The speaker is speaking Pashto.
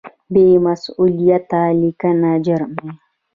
بې مسؤلیته لیکنه جرم دی.